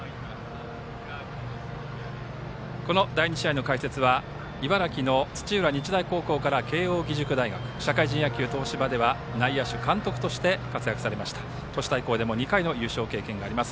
この第２試合の解説は茨城の土浦日大高校から慶応義塾大学社会人野球、東芝では内野手、監督として活躍された都市対抗でも２回の優勝経験があります